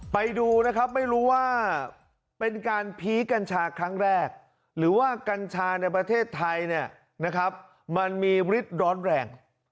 ไปดูนะครับไม่รู้ว่าเป็นการผีกัญชาครั้งแรกหรือว่ากัญชาในประเทศไทยเนี่ยนะครับมันมีฤทธิ์ร้อนแรง